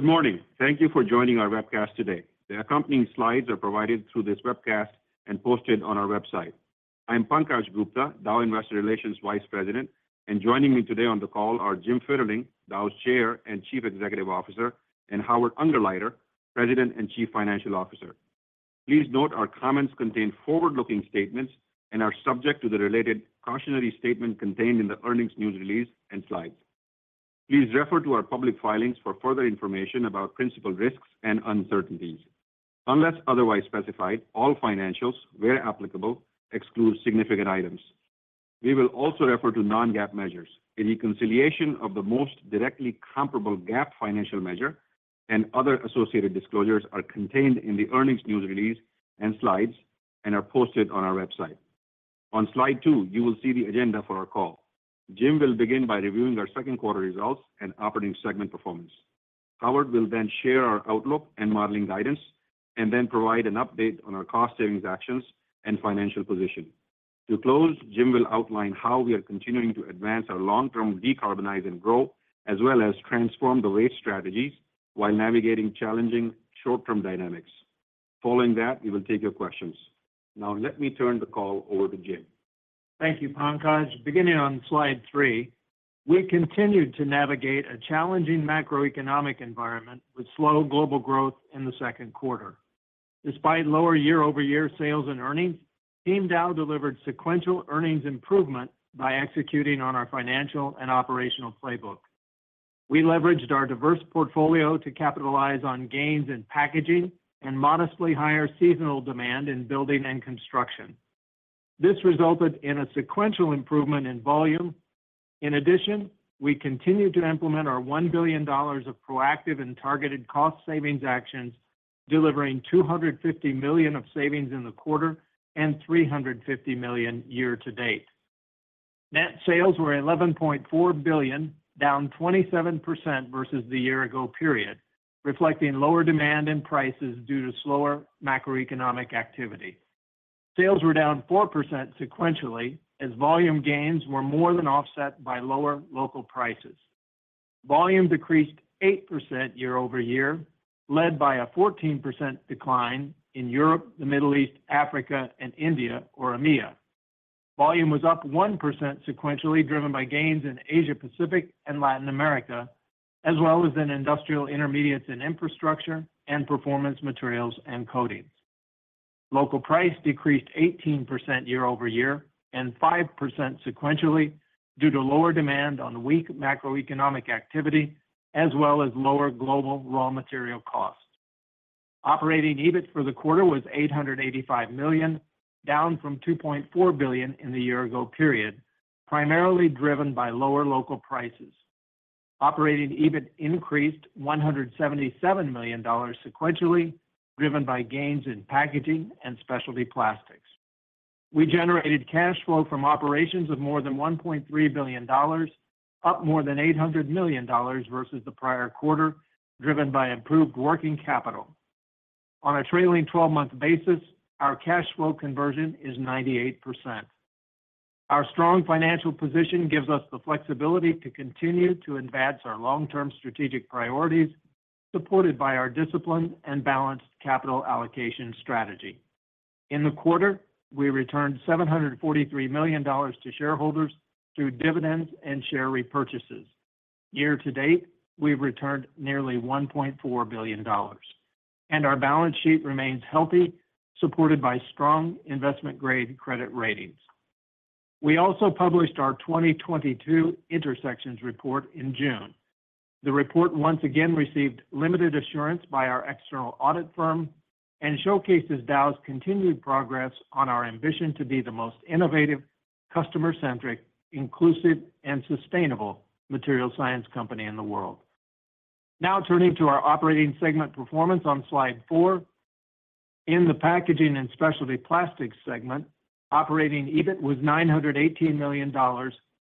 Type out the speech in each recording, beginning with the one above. Good morning! Thank you for joining our webcast today. The accompanying slides are provided through this webcast and posted on our website. I am Pankaj Gupta, Dow Investor Relations Vice President, and joining me today on the call are Jim Fitterling, Dow's Chair and Chief Executive Officer, and Howard Ungerleider, President and Chief Financial Officer. Please note our comments contain forward-looking statements and are subject to the related cautionary statement contained in the earnings news release and slides. Please refer to our public filings for further information about principal risks and uncertainties. Unless otherwise specified, all financials, where applicable, exclude significant items. We will also refer to non-GAAP measures. A reconciliation of the most directly comparable GAAP financial measure and other associated disclosures are contained in the earnings news release and slides and are posted on our website. On slide 2, you will see the agenda for our call. Jim will begin by reviewing our second quarter results and operating segment performance. Howard will then share our outlook and modeling guidance, and then provide an update on our cost savings actions and financial position. To close, Jim will outline how we are continuing to advance our long-term Decarbonize & Grow, as well as Transform the Waste strategies while navigating challenging short-term dynamics. Following that, we will take your questions. Let me turn the call over to Jim. Thank you, Pankaj. Beginning on slide 3, we continued to navigate a challenging macroeconomic environment with slow global growth in the second quarter. Despite lower year-over-year sales and earnings, Team Dow delivered sequential earnings improvement by executing on our financial and operational playbook. We leveraged our diverse portfolio to capitalize on gains in packaging and modestly higher seasonal demand in building and construction. This resulted in a sequential improvement in volume. In addition, we continued to implement our $1 billion of proactive and targeted cost savings actions, delivering $250 million of savings in the quarter and $350 million year to date. Net sales were $11.4 billion, down 27% versus the year ago period, reflecting lower demand and prices due to slower macroeconomic activity. Sales were down 4% sequentially, as volume gains were more than offset by lower local prices. Volume decreased 8% year-over-year, led by a 14% decline in Europe, the Middle East, Africa, and India, or EMEA. Volume was up 1% sequentially, driven by gains in Asia Pacific and Latin America, as well as in Industrial Intermediates & Infrastructure and Performance Materials & Coatings. Local price decreased 18% year-over-year and 5% sequentially due to lower demand on weak macroeconomic activity, as well as lower global raw material costs. Operating EBIT for the quarter was $885 million, down from $2.4 billion in the year ago period, primarily driven by lower local prices. Operating EBIT increased $177 million sequentially, driven by gains in Packaging & Specialty Plastics. We generated cash flow from operations of more than $1.3 billion, up more than $800 million versus the prior quarter, driven by improved working capital. On a trailing twelve-month basis, our cash flow conversion is 98%. Our strong financial position gives us the flexibility to continue to advance our long-term strategic priorities, supported by our disciplined and balanced capital allocation strategy. In the quarter, we returned $743 million to shareholders through dividends and share repurchases. Year to date, we've returned nearly $1.4 billion, and our balance sheet remains healthy, supported by strong investment-grade credit ratings. We also published our 2022 INtersections Report in June. The report once again received limited assurance by our external audit firm and showcases Dow's continued progress on our ambition to be the most innovative, customer-centric, inclusive, and sustainable material science company in the world. Turning to our operating segment performance on slide 4. In the Packaging & Specialty Plastics segment, Operating EBIT was $918 million,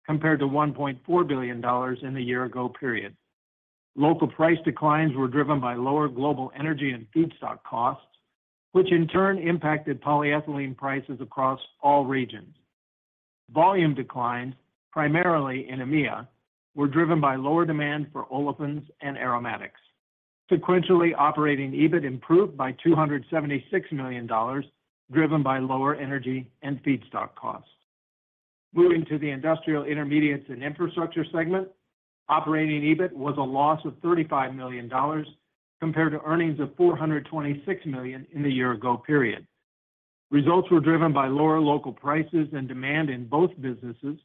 compared to $1.4 billion in the year-ago period. Local price declines were driven by lower global energy and feedstock costs, which in turn impacted polyethylene prices across all regions. Volume declines, primarily in EMEA, were driven by lower demand for olefins and aromatics. Sequentially, Operating EBIT improved by $276 million, driven by lower energy and feedstock costs. Moving to the Industrial Intermediates & Infrastructure segment, operating EBIT was a loss of $35 million, compared to earnings of $426 million in the year-ago period. Results were driven by lower local prices and demand in both businesses.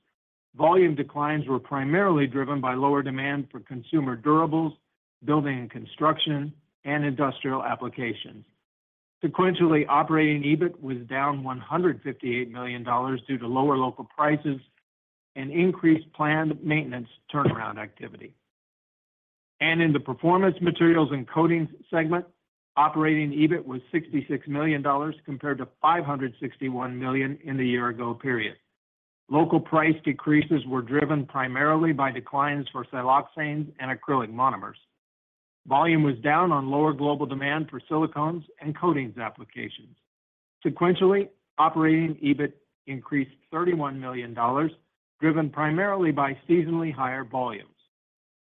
Volume declines were primarily driven by lower demand for consumer durables, building and construction, and industrial applications. Sequentially, operating EBIT was down $158 million due to lower local prices and increased planned maintenance turnaround activity. In the Performance Materials & Coatings segment, operating EBIT was $66 million, compared to $561 million in the year-ago period. Local price decreases were driven primarily by declines for siloxanes and acrylic monomers. Volume was down on lower global demand for silicones and coatings applications. Sequentially, operating EBIT increased $31 million, driven primarily by seasonally higher volumes.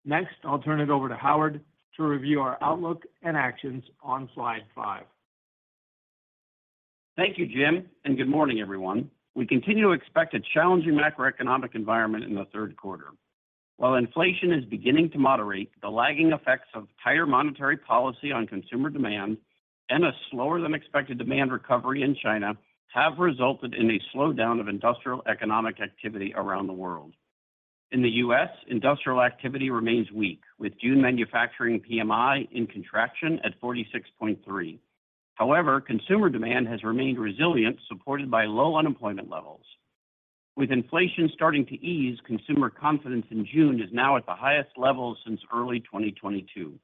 Next, I'll turn it over to Howard to review our outlook and actions on Slide 5. Thank you, Jim. Good morning, everyone. We continue to expect a challenging macroeconomic environment in the third quarter. While inflation is beginning to moderate, the lagging effects of tighter monetary policy on consumer demand and a slower-than-expected demand recovery in China have resulted in a slowdown of industrial economic activity around the world. In the U.S., industrial activity remains weak, with June manufacturing PMI in contraction at 46.3. However, consumer demand has remained resilient, supported by low unemployment levels. With inflation starting to ease, consumer confidence in June is now at the highest level since early 2022.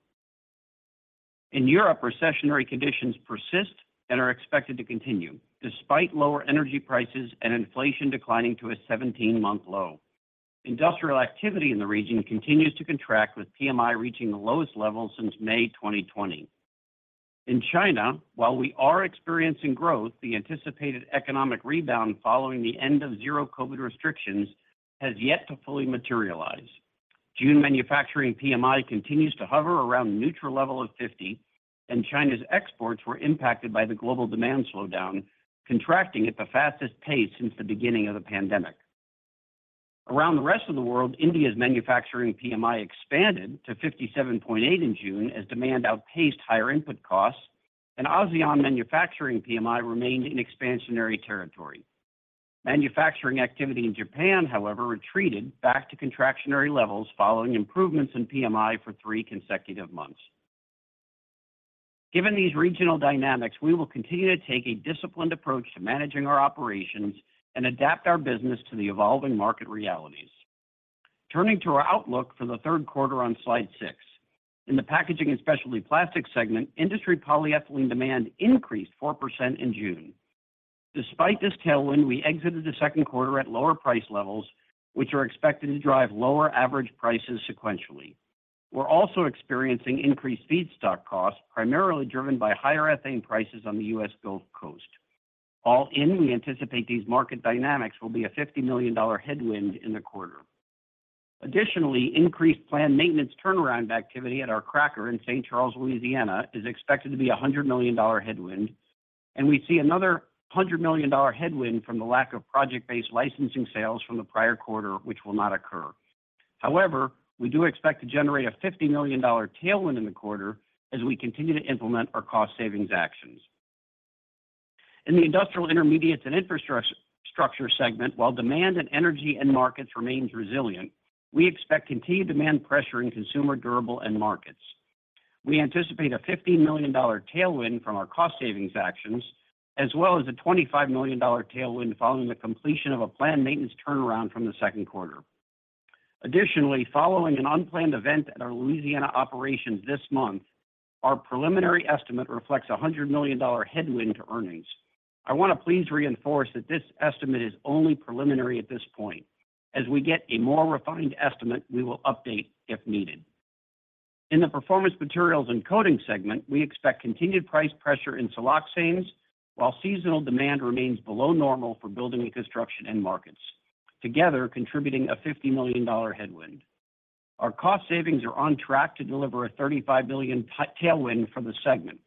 In Europe, recessionary conditions persist and are expected to continue, despite lower energy prices and inflation declining to a 17-month low. Industrial activity in the region continues to contract, with PMI reaching the lowest level since May 2020. In China, while we are experiencing growth, the anticipated economic rebound following the end of zero COVID restrictions has yet to fully materialize. June manufacturing PMI continues to hover around neutral level of 50. China's exports were impacted by the global demand slowdown, contracting at the fastest pace since the beginning of the pandemic. Around the rest of the world, India's manufacturing PMI expanded to 57.8 in June as demand outpaced higher input costs. ASEAN manufacturing PMI remained in expansionary territory. Manufacturing activity in Japan, however, retreated back to contractionary levels following improvements in PMI for three consecutive months. Given these regional dynamics, we will continue to take a disciplined approach to managing our operations and adapt our business to the evolving market realities. Turning to our outlook for the third quarter on Slide 6. In the Packaging & Specialty Plastics segment, industry polyethylene demand increased 4% in June. Despite this tailwind, we exited the second quarter at lower price levels, which are expected to drive lower average prices sequentially. We're also experiencing increased feedstock costs, primarily driven by higher ethane prices on the U.S. Gulf Coast. All in, we anticipate these market dynamics will be a $50 million headwind in the quarter. Additionally, increased planned maintenance turnaround activity at our cracker in St. Charles, Louisiana, is expected to be a $100 million headwind, and we see another $100 million headwind from the lack of project-based licensing sales from the prior quarter, which will not occur. However, we do expect to generate a $50 million tailwind in the quarter as we continue to implement our cost savings actions. In the Industrial Intermediates & Infrastructure segment, while demand and energy end markets remains resilient, we expect continued demand pressure in consumer durable end markets. We anticipate a $50 million tailwind from our cost savings actions, as well as a $25 million tailwind following the completion of a planned maintenance turnaround from the second quarter. Additionally, following an unplanned event at our Louisiana operations this month, our preliminary estimate reflects a $100 million headwind to earnings. I want to please reinforce that this estimate is only preliminary at this point. As we get a more refined estimate, we will update if needed. In the Performance Materials & Coatings segment, we expect continued price pressure in siloxanes, while seasonal demand remains below normal for building and construction end markets, together contributing a $50 million headwind. Our cost savings are on track to deliver a $35 million tailwind for the segment.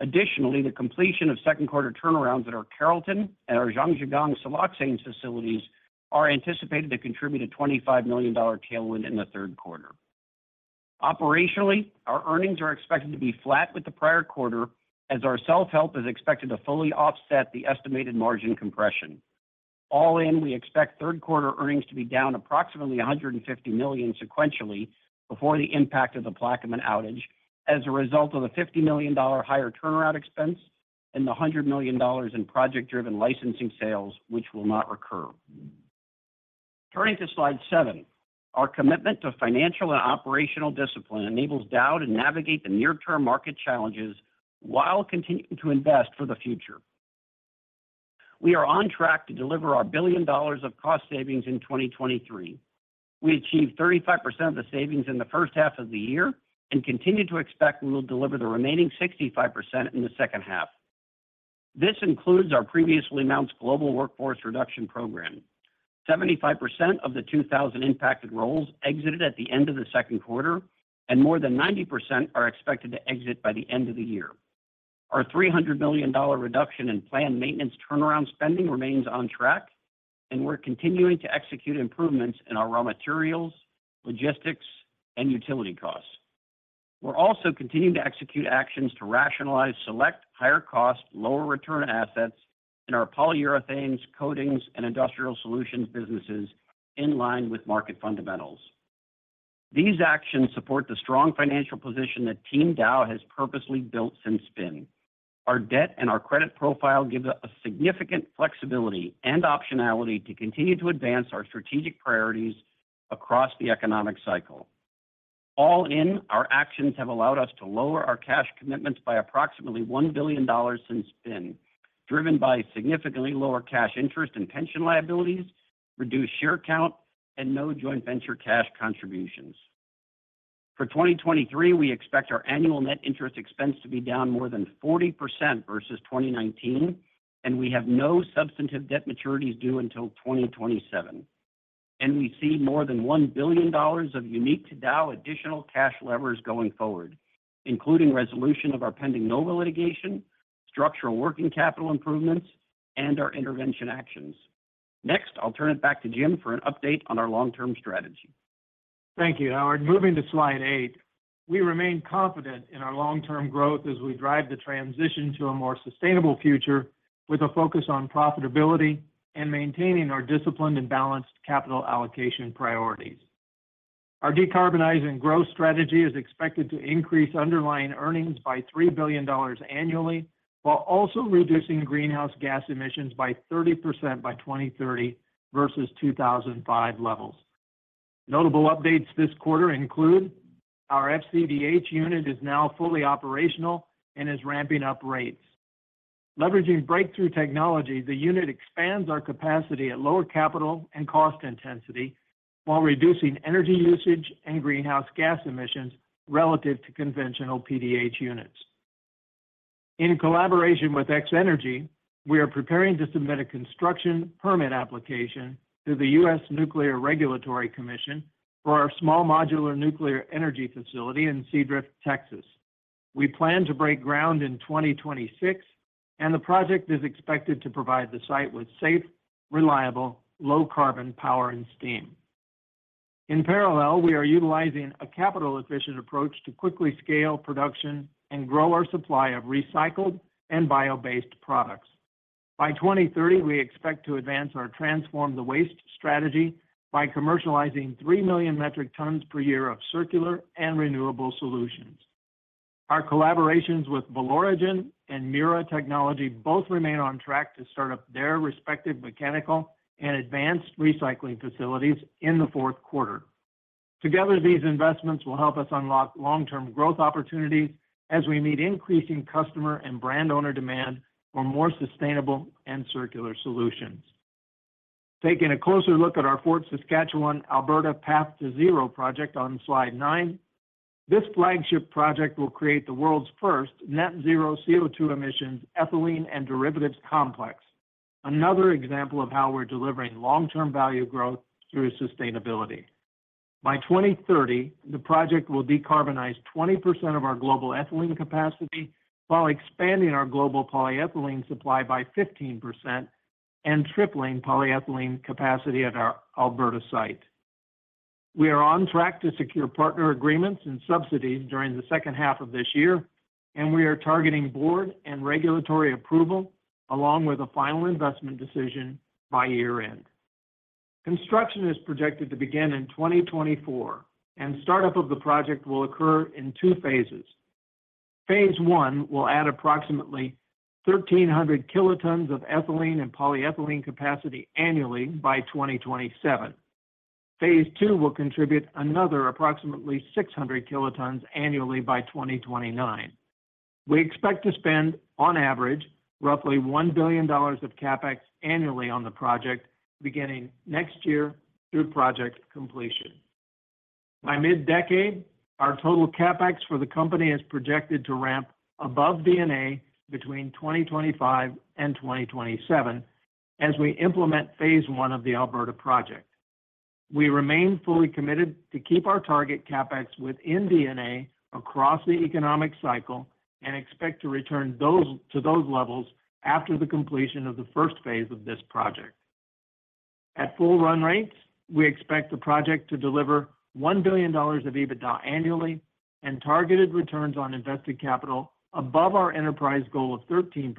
Additionally, the completion of second quarter turnarounds at our Carrollton and our Zhangjiagang siloxane facilities are anticipated to contribute a $25 million tailwind in the third quarter. Operationally, our earnings are expected to be flat with the prior quarter as our self-help is expected to fully offset the estimated margin compression. All in, we expect third quarter earnings to be down approximately $150 million sequentially before the impact of the Plaquemine outage as a result of the $50 million higher turnaround expense and the $100 million in project-driven licensing sales, which will not recur. Turning to Slide 7, our commitment to financial and operational discipline enables Dow to navigate the near-term market challenges while continuing to invest for the future. We are on track to deliver our $1 billion of cost savings in 2023. We achieved 35% of the savings in the first half of the year and continue to expect we will deliver the remaining 65% in the second half. This includes our previously announced global workforce reduction program. 75% of the 2,000 impacted roles exited at the end of the second quarter, and more than 90% are expected to exit by the end of the year. Our $300 million reduction in planned maintenance turnaround spending remains on track, and we're continuing to execute improvements in our raw materials, logistics, and utility costs. We're also continuing to execute actions to rationalize select higher-cost, lower-return assets in our Polyurethanes, coatings, and Industrial Solutions businesses in line with market fundamentals. These actions support the strong financial position that Team Dow has purposely built since spin. Our debt and our credit profile gives us a significant flexibility and optionality to continue to advance our strategic priorities across the economic cycle. All in, our actions have allowed us to lower our cash commitments by approximately $1 billion since spin, driven by significantly lower cash interest and pension liabilities, reduced share count, and no joint venture cash contributions. For 2023, we expect our annual net interest expense to be down more than 40% versus 2019, and we have no substantive debt maturities due until 2027. We see more than $1 billion of unique to Dow additional cash levers going forward, including resolution of our pending Nova litigation, structural working capital improvements, and our intervention actions. Next, I'll turn it back to Jim for an update on our long-term strategy. Thank you, Howard. Moving to slide 8. We remain confident in our long-term growth as we drive the transition to a more sustainable future, with a focus on profitability and maintaining our disciplined and balanced capital allocation priorities. Decarbonize & Grow strategy is expected to increase underlying earnings by $3 billion annually, while also reducing greenhouse gas emissions by 30% by 2030 versus 2005 levels. Notable updates this quarter include: Our FCDh unit is now fully operational and is ramping up rates. Leveraging breakthrough technology, the unit expands our capacity at lower capital and cost intensity, while reducing energy usage and greenhouse gas emissions relative to conventional PDH units. In collaboration with X-energy, we are preparing to submit a construction permit application to the U.S. Nuclear Regulatory Commission for our small modular nuclear energy facility in Seadrift, Texas. We plan to break ground in 2026. The project is expected to provide the site with safe, reliable, low carbon power and steam. In parallel, we are utilizing a capital-efficient approach to quickly scale production and grow our supply of recycled and bio-based products. By 2030, we expect to advance our Transform the Waste strategy by commercializing 3 million metric tons per year of circular and renewable solutions. Our collaborations with Valoregen and Mura Technology both remain on track to start up their respective mechanical and advanced recycling facilities in the fourth quarter. Together, these investments will help us unlock long-term growth opportunities as we meet increasing customer and brand owner demand for more sustainable and circular solutions. Taking a closer look at our Fort Saskatchewan, Alberta, Path2Zero project on slide 9. This flagship project will create the world's first net zero CO2 emissions, ethylene, and derivatives complex. Another example of how we're delivering long-term value growth through sustainability. By 2030, the project will decarbonize 20% of our global ethylene capacity, while expanding our global polyethylene supply by 15% and tripling polyethylene capacity at our Alberta site. We are on track to secure partner agreements and subsidies during the second half of this year, and we are targeting board and regulatory approval, along with a final investment decision by year-end. Construction is projected to begin in 2024, and startup of the project will occur in 2 phases. Phase 1 will add approximately 1,300 kilotons of ethylene and polyethylene capacity annually by 2027. Phase 2 will contribute another approximately 600 kilotons annually by 2029. We expect to spend, on average, roughly $1 billion of CapEx annually on the project, beginning next year through project completion. By mid-decade, our total CapEx for the company is projected to ramp above D&A between 2025 and 2027 as we implement phase one of the Alberta project. We remain fully committed to keep our target CapEx within D&A across the economic cycle and expect to return to those levels after the completion of the first phase of this project. At full run rates, we expect the project to deliver $1 billion of EBITDA annually and targeted returns on invested capital above our enterprise goal of 13%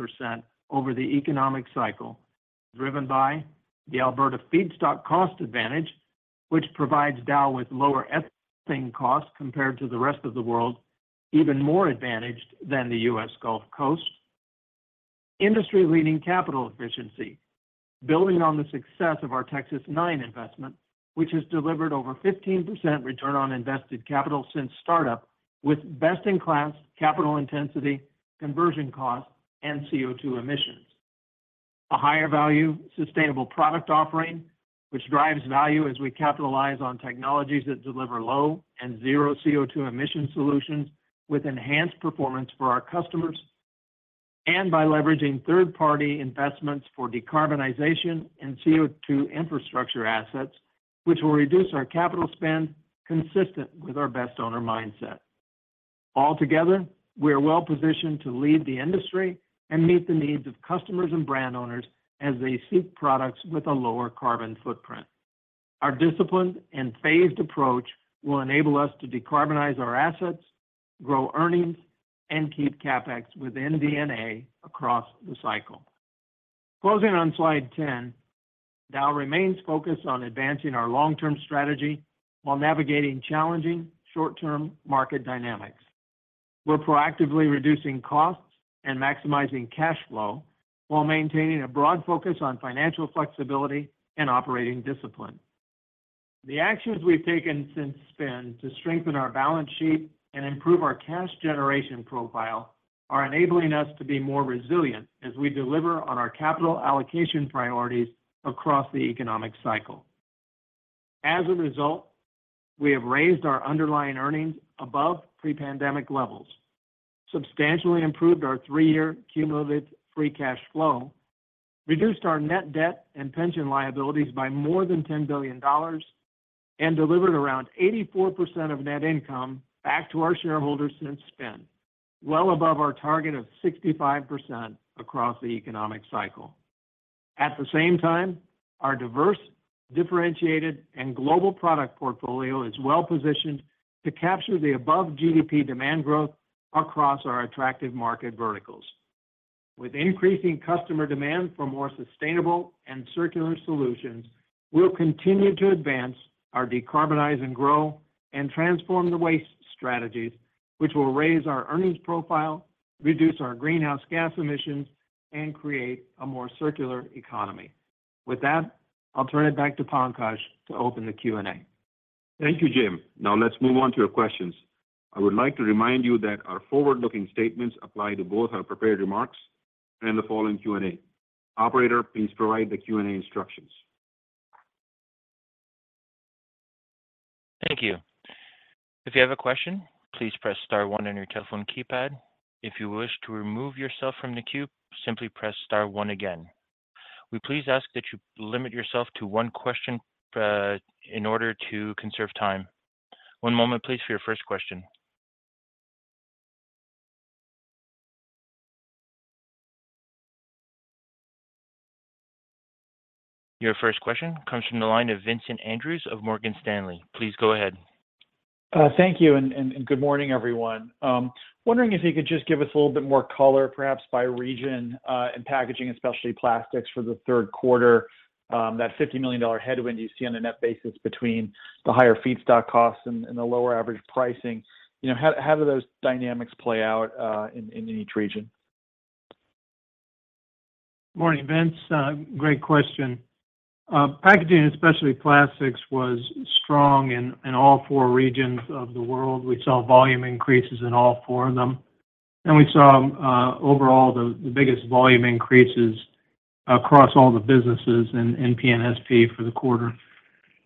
over the economic cycle, driven by the Alberta feedstock cost advantage, which provides Dow with lower ethylene costs compared to the rest of the world, even more advantaged than the US Gulf Coast. Industry-leading capital efficiency, building on the success of our Texas 9 investment, which has delivered over 15% return on invested capital since startup, with best-in-class capital intensity, conversion costs, and CO2 emissions. A higher-value, sustainable product offering, which drives value as we capitalize on technologies that deliver low and zero CO2 emission solutions with enhanced performance for our customers, and by leveraging third-party investments for decarbonization and CO2 infrastructure assets, which will reduce our capital spend consistent with our best owner mindset. Altogether, we are well positioned to lead the industry and meet the needs of customers and brand owners as they seek products with a lower carbon footprint. Our disciplined and phased approach will enable us to decarbonize our assets, grow earnings, and keep CapEx within D&A across the cycle. Closing on slide 10. Dow remains focused on advancing our long-term strategy while navigating challenging short-term market dynamics. We're proactively reducing costs and maximizing cash flow while maintaining a broad focus on financial flexibility and operating discipline. The actions we've taken since spin to strengthen our balance sheet and improve our cash generation profile are enabling us to be more resilient as we deliver on our capital allocation priorities across the economic cycle. As a result, we have raised our underlying earnings above pre-pandemic levels, substantially improved our three-year cumulative free cash flow, reduced our net debt and pension liabilities by more than $10 billion, and delivered around 84% of net income back to our shareholders since then, well above our target of 65% across the economic cycle. At the same time, our diverse, differentiated, and global product portfolio is well positioned to capture the above GDP demand growth across our attractive market verticals. With increasing customer demand for more sustainable and circular solutions, we'll continue to advance our Decarbonize & Grow, and Transform the Waste strategies, which will raise our earnings profile, reduce our greenhouse gas emissions, and create a more circular economy. With that, I'll turn it back to Pankaj to open the Q&A. Thank you, Jim. Now, let's move on to your questions. I would like to remind you that our forward-looking statements apply to both our prepared remarks and the following Q&A. Operator, please provide the Q&A instructions. Thank you. If you have a question, please press star one on your telephone keypad. If you wish to remove yourself from the queue, simply press star one again. We please ask that you limit yourself to one question in order to conserve time. One moment, please, for your first question. Your first question comes from the line of Vincent Andrews of Morgan Stanley. Please go ahead. Thank you, and good morning, everyone. Wondering if you could just give us a little bit more color, perhaps by region, in Packaging & Specialty Plastics for the third quarter. That $50 million headwind you see on a net basis between the higher feedstock costs and the lower average pricing. You know, how do those dynamics play out in each region? Morning, Vince. Great question. Packaging & Specialty Plastics was strong in all four regions of the world. We saw volume increases in all four of them. We saw overall, the biggest volume increases across all the businesses in PNSP for the quarter.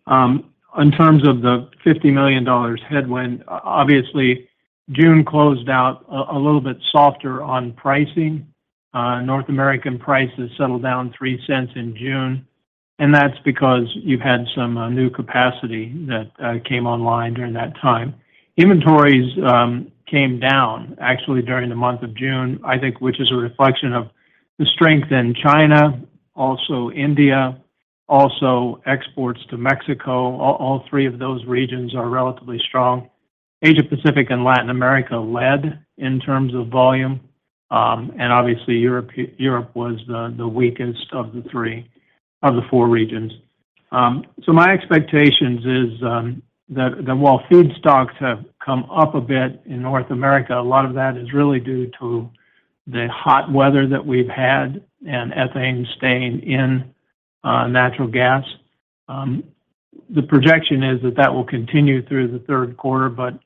In terms of the $50 million headwind, obviously, June closed out a little bit softer on pricing. North American prices settled down $0.03 in June, and that's because you've had some new capacity that came online during that time. Inventories came down actually during the month of June, I think, which is a reflection of the strength in China, also India, also exports to Mexico. All three of those regions are relatively strong. Asia, Pacific, and Latin America led in terms of volume, and obviously, Europe was the weakest of the four regions. My expectations is that while food stocks have come up a bit in North America, a lot of that is really due to the hot weather that we've had and ethane staying in natural gas. The projection is that that will continue through the third quarter, but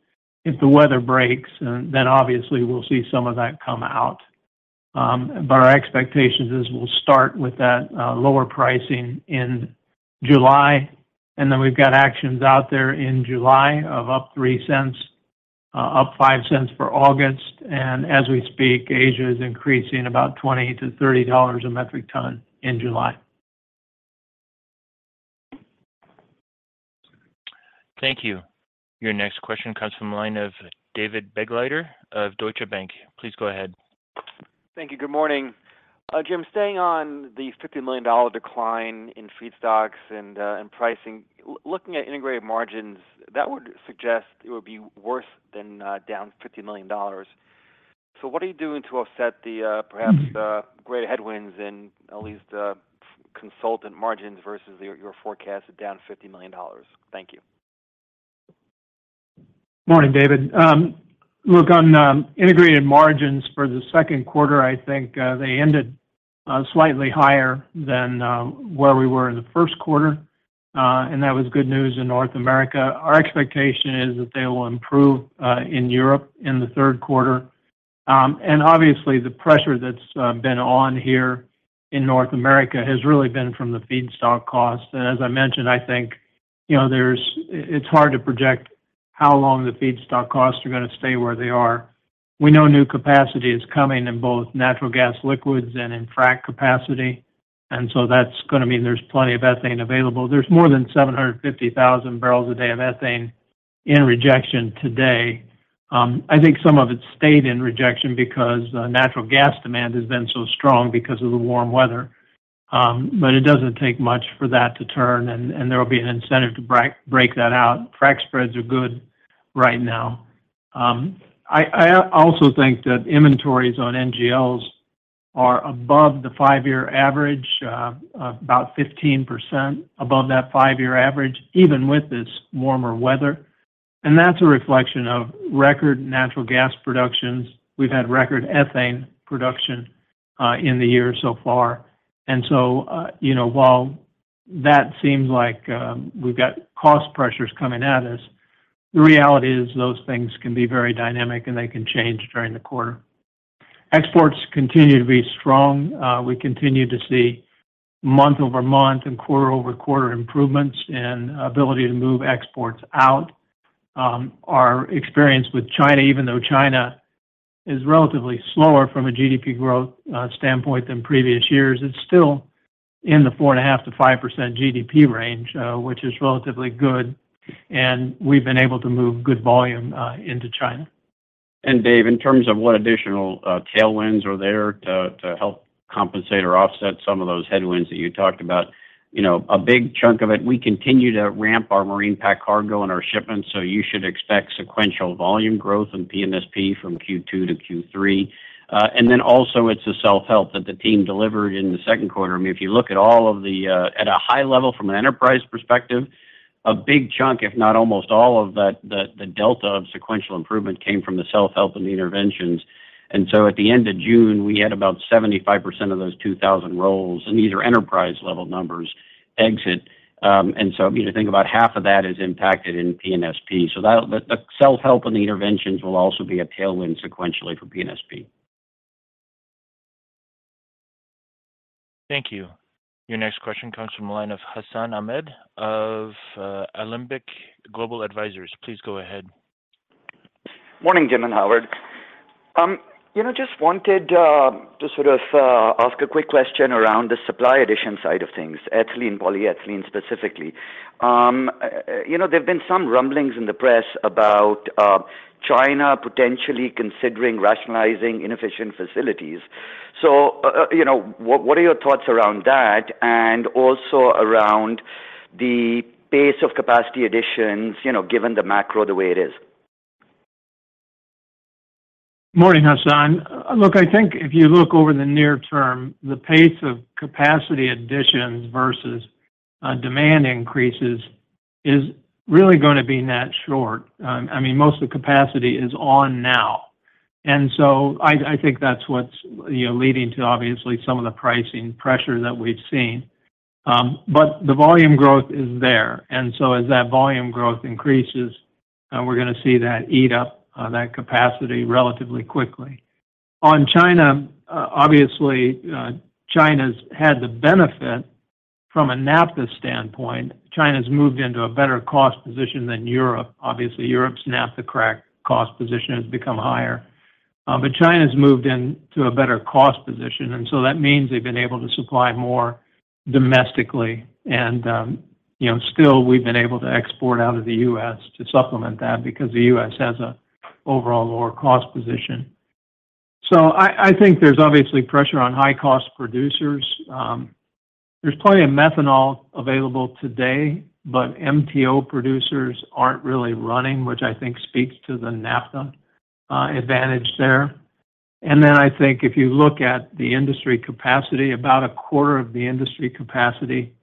if the weather breaks, then obviously we'll see some of that come out. Our expectations is we'll start with that lower pricing in July, and then we've got actions out there in July of up $0.03, up $0.05 for August. As we speak, Asia is increasing about $20-$30 a metric ton in July. Thank you. Your next question comes from the line of David Begleiter of Deutsche Bank. Please go ahead. Thank you. Good morning. Jim, staying on the $50 million decline in feedstocks and pricing, looking at integrated margins, that would suggest it would be worse than down $50 million. What are you doing to offset the, perhaps, the greater headwinds and at least consultant margins versus your forecast down $50 million? Thank you. Morning, David. Look, on integrated margins for the second quarter, I think they ended slightly higher than where we were in the first quarter, that was good news in North America. Our expectation is that they will improve in Europe in the third quarter. Obviously, the pressure that's been on here in North America has really been from the feedstock cost. As I mentioned, I think, you know, it's hard to project how long the feedstock costs are gonna stay where they are. We know new capacity is coming in both Natural Gas Liquids and in frack capacity, that's gonna mean there's plenty of ethane available. There's more than 750,000 barrels a day of ethane in rejection today. I think some of it stayed in rejection because natural gas demand has been so strong because of the warm weather. It doesn't take much for that to turn, and there will be an incentive to break that out. Frack spreads are good right now. I also think that inventories on NGLs are above the five-year average, about 15% above that five-year average, even with this warmer weather. That's a reflection of record natural gas productions. We've had record ethane production in the year so far. You know, while that seems like we've got cost pressures coming at us, the reality is those things can be very dynamic, and they can change during the quarter. Exports continue to be strong. We continue to see month-over-month and quarter-over-quarter improvements in ability to move exports out. Our experience with China, even though China is relatively slower from a GDP growth standpoint than previous years, it's still in the 4.5%-5% GDP range, which is relatively good, and we've been able to move good volume into China. Dave, in terms of what additional tailwinds are there to help compensate or offset some of those headwinds that you talked about? You know, a big chunk of it, we continue to ramp our Marine Pack Cargo and our shipments, so you should expect sequential volume growth in PNSP from Q2 to Q3. Also, it's the self-help that the team delivered in the second quarter. I mean, if you look at all of the at a high level from an enterprise perspective, a big chunk, if not almost all of the delta of sequential improvement came from the self-help and the interventions. At the end of June, we had about 75% of those 2,000 roles, and these are enterprise-level numbers, exit. I mean, I think about half of that is impacted in PNSP. That, the self-help and the interventions will also be a tailwind sequentially for PNSP. Thank you. Your next question comes from the line of Hassan Ahmed of Alembic Global Advisors. Please go ahead. Morning, Jim and Howard. you know, just wanted to sort of ask a quick question around the supply addition side of things, ethylene, polyethylene, specifically. you know, there have been some rumblings in the press about China potentially considering rationalizing inefficient facilities. you know, what are your thoughts around that and also around the pace of capacity additions, you know, given the macro the way it is? Morning, Hassan. Look, I think if you look over the near term, the pace of capacity additions versus demand increases is really going to be net short. I mean, most of the capacity is on now, I think that's what's, you know, leading to obviously some of the pricing pressure that we've seen. The volume growth is there, as that volume growth increases, we're going to see that eat up that capacity relatively quickly. On China, obviously, China's had the benefit from a naphtha standpoint. China's moved into a better cost position than Europe. Obviously, Europe's naphtha crack cost position has become higher. China's moved in to a better cost position, that means they've been able to supply more domestically. You know, still we've been able to export out of the US to supplement that because the US has a overall lower cost position. I think there's obviously pressure on high-cost producers. There's plenty of methanol available today, but MTO producers aren't really running, which I think speaks to the naphtha advantage there. I think if you look at the industry capacity, about a quarter of the industry capacity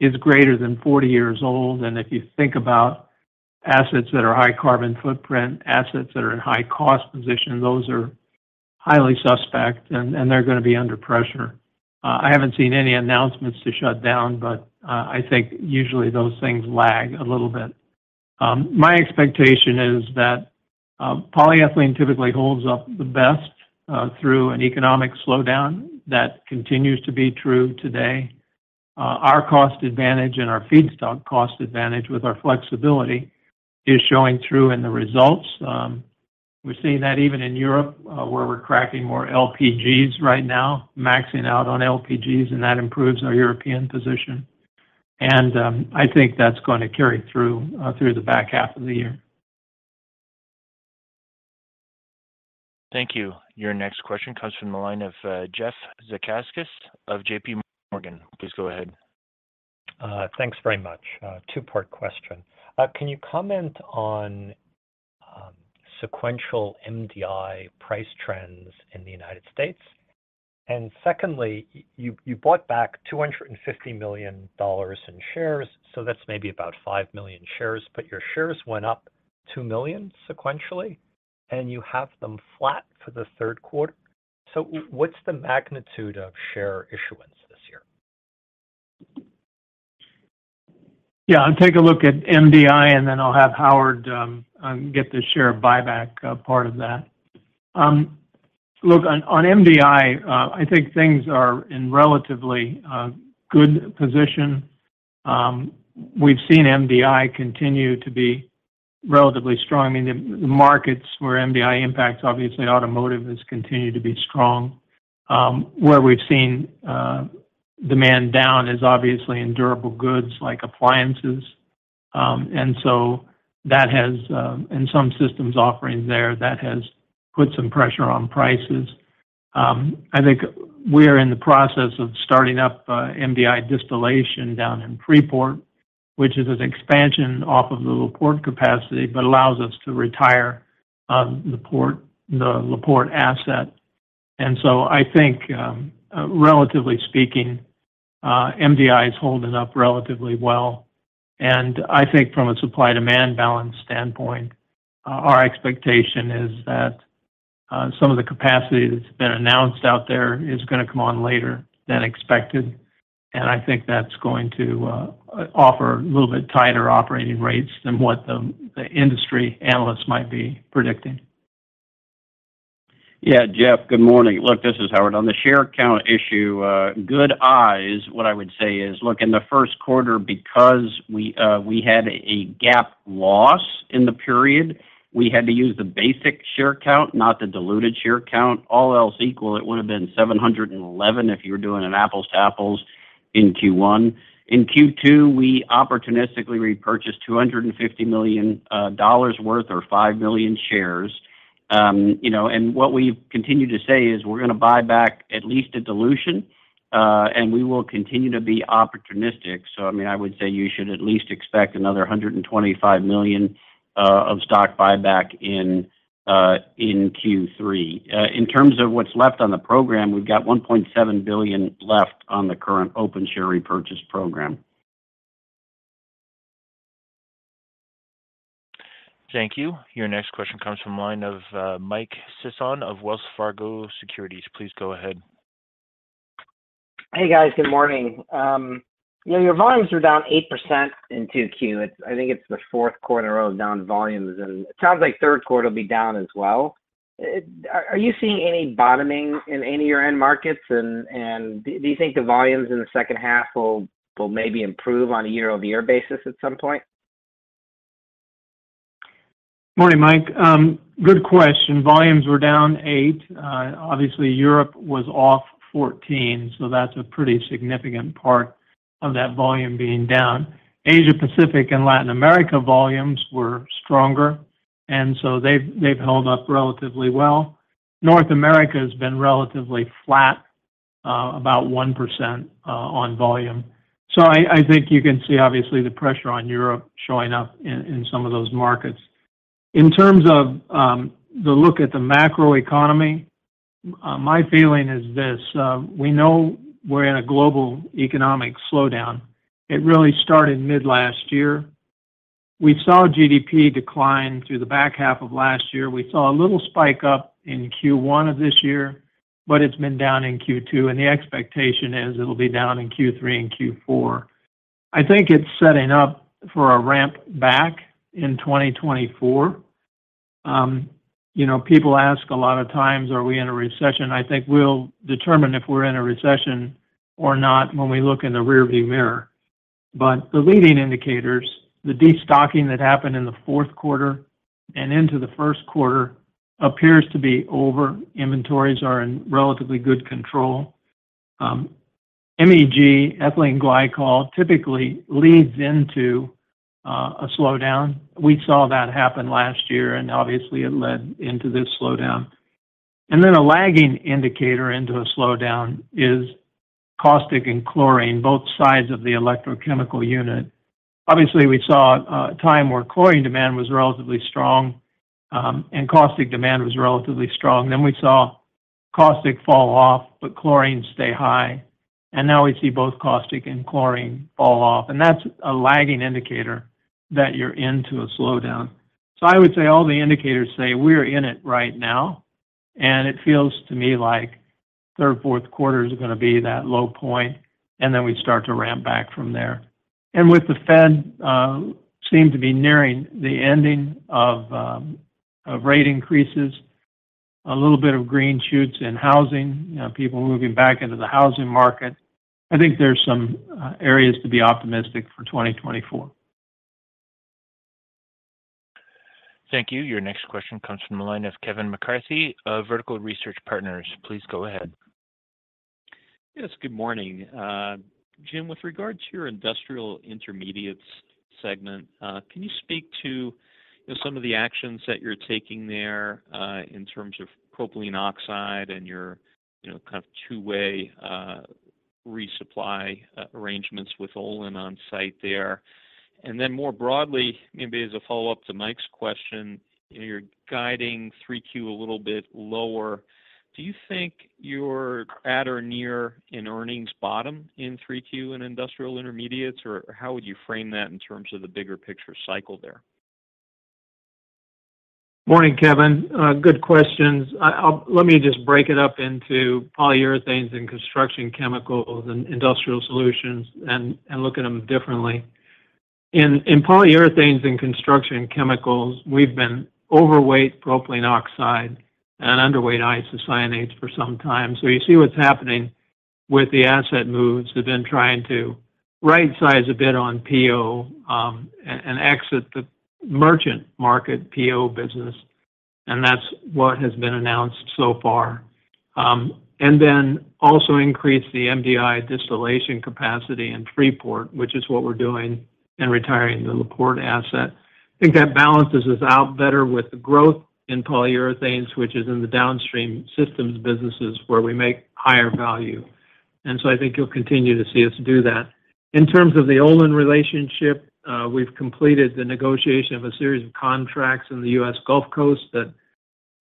is greater than 40 years old. If you think about assets that are high carbon footprint, assets that are in high cost position, those are highly suspect, and they're going to be under pressure. I haven't seen any announcements to shut down, but I think usually those things lag a little bit. My expectation is that polyethylene typically holds up the best through an economic slowdown. That continues to be true today. Our cost advantage and our feedstock cost advantage with our flexibility is showing through in the results. We're seeing that even in Europe, where we're cracking more LPGs right now, maxing out on LPGs, and that improves our European position. I think that's going to carry through the back half of the year. Thank you. Your next question comes from the line of Jeffrey Zekauskas of J.P. Morgan. Please go ahead. Thanks very much. Two-part question. Can you comment on sequential MDI price trends in the United States? Secondly, you bought back $250 million in shares, so that's maybe about 5 million shares, but your shares went up 2 million sequentially, and you have them flat for the third quarter. What's the magnitude of share issuance this year? Yeah, I'll take a look at MDI, and then I'll have Howard get the share buyback part of that. Look, on MDI, I think things are in relatively good position. We've seen MDI continue to be relatively strong. I mean, the markets where MDI impacts, obviously automotive, has continued to be strong. Where we've seen demand down is obviously in durable goods like appliances. So that has, in some systems offerings there, that has put some pressure on prices. I think we are in the process of starting up MDI distillation down in Freeport, which is an expansion off of the La Porte capacity, but allows us to retire the La Porte asset. So I think, relatively speaking, MDI is holding up relatively well. I think from a supply-demand balance standpoint, our expectation is that-... some of the capacity that's been announced out there is gonna come on later than expected, and I think that's going to offer a little bit tighter operating rates than what the industry analysts might be predicting. Yeah, Jeff, good morning. Look, this is Howard. On the share count issue, good eyes. What I would say is, look, in the first quarter, because we had a GAAP loss in the period, we had to use the basic share count, not the diluted share count. All else equal, it would have been 711 if you were doing an apples to apples in Q1. In Q2, we opportunistically repurchased $250 million worth or 5 million shares. You know, what we've continued to say is we're gonna buy back at least a dilution, and we will continue to be opportunistic. I mean, I would say you should at least expect another $125 million of stock buyback in Q3. In terms of what's left on the program, we've got $1.7 billion left on the current open share repurchase program. Thank you. Your next question comes from the line of Mike Sison of Wells Fargo Securities. Please go ahead. Hey, guys. Good morning. you know, your volumes are down 8% in Q2. I think it's the 4th quarter of down volumes, and it sounds like 3rd quarter will be down as well. Are you seeing any bottoming in any of your end markets, and do you think the volumes in the 2nd half will maybe improve on a year-over-year basis at some point? Morning, Mike. Good question. Volumes were down 8. Obviously Europe was off 14, that's a pretty significant part of that volume being down. Asia Pacific and Latin America volumes were stronger, they've held up relatively well. North America has been relatively flat, about 1% on volume. I think you can see obviously the pressure on Europe showing up in some of those markets. In terms of the look at the macroeconomy, my feeling is this, we know we're in a global economic slowdown. It really started mid last year. We saw GDP decline through the back half of last year. We saw a little spike up in Q1 of this year, it's been down in Q2, the expectation is it'll be down in Q3 and Q4. I think it's setting up for a ramp back in 2024. You know, people ask a lot of times, "Are we in a recession?" I think we'll determine if we're in a recession or not when we look in the rearview mirror. The leading indicators, the destocking that happened in the fourth quarter and into the first quarter, appears to be over. Inventories are in relatively good control. MEG, ethylene glycol, typically leads into a slowdown. We saw that happen last year, and obviously, it led into this slowdown. A lagging indicator into a slowdown is caustic and chlorine, both sides of the electrochemical unit. Obviously, we saw a time where chlorine demand was relatively strong, and caustic demand was relatively strong. We saw caustic fall off, but chlorine stay high, and now we see both caustic and chlorine fall off, and that's a lagging indicator that you're into a slowdown. I would say all the indicators say we're in it right now, and it feels to me like third, fourth quarter is gonna be that low point, and then we start to ramp back from there. With the Fed seem to be nearing the ending of rate increases, a little bit of green shoots in housing, you know, people moving back into the housing market. I think there's some areas to be optimistic for 2024. Thank you. Your next question comes from the line of Kevin McCarthy, of Vertical Research Partners. Please go ahead. Yes, good morning. Jim, with regard to your Industrial Intermediates segment, can you speak to some of the actions that you're taking there, in terms of Propylene oxide and your, you know, kind of two-way, resupply, arrangements with Olin on site there? Then more broadly, maybe as a follow-up to Mike's question, you're guiding 3Q a little bit lower. Do you think you're at or near an earnings bottom in 3Q in Industrial Intermediates, or how would you frame that in terms of the bigger picture cycle there? Morning, Kevin. Good questions. Let me just break it up into Polyurethanes & Construction Chemicals and Industrial Solutions and look at them differently. In Polyurethanes & Construction Chemicals, we've been overweight propylene oxide and underweight isocyanates for some time. You see what's happening with the asset moves. We've been trying to rightsize a bit on PO and exit the merchant market PO business, and that's what has been announced so far. Also increase the MDI distillation capacity in Freeport, which is what we're doing, and retiring the La Porte asset. I think that balances us out better with the growth in Polyurethanes, which is in the downstream systems businesses where we make higher value. I think you'll continue to see us do that. In terms of the Olin relationship, we've completed the negotiation of a series of contracts in the U.S. Gulf Coast that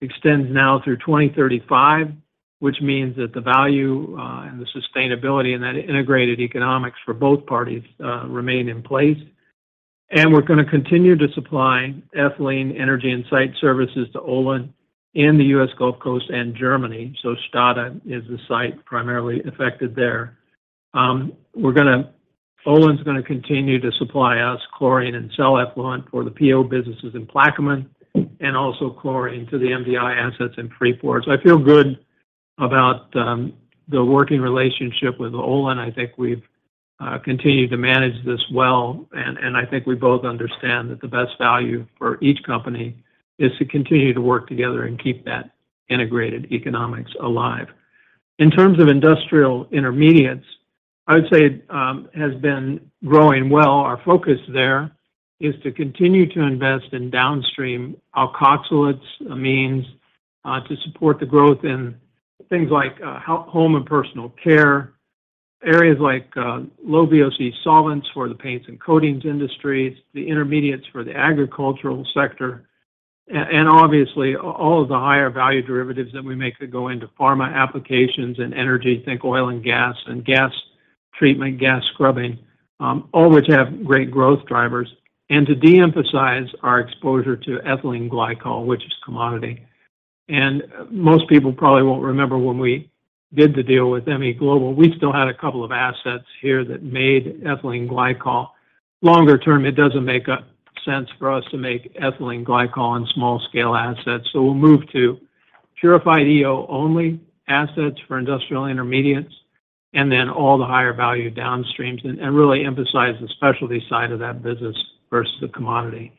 extends now through 2035, which means that the value, and the sustainability and that integrated economics for both parties, remain in place. We're going to continue to supply ethylene energy and site services to Olin in the U.S. Gulf Coast and Germany. Stade is the site primarily affected there. Olin is gonna continue to supply us chlorine and cell effluent for the PO businesses in Plaquemine and also chlorine to the MDI assets in Freeport. I feel good about the working relationship with Olin. I think we've continued to manage this well, and I think we both understand that the best value for each company is to continue to work together and keep that integrated economics alive. In terms of Industrial Intermediates, I would say, has been growing well. Our focus there is to continue to invest in downstream alkoxylates, amines, to support the growth in things like home and personal care, areas like low VOC solvents for the paints and coatings industries, the intermediates for the agricultural sector, and obviously, all of the higher value derivatives that we make that go into pharma applications and energy, think oil and gas, and gas treatment, gas scrubbing, all which have great growth drivers. To de-emphasize our exposure to ethylene glycol, which is commodity. Most people probably won't remember when we did the deal with MEGlobal. We still had a couple of assets here that made ethylene glycol. Longer term, it doesn't make sense for us to make ethylene glycol in small scale assets. We'll move to purified EO only assets for industrial intermediates and then all the higher value downstreams and really emphasize the specialty side of that business versus the commodity.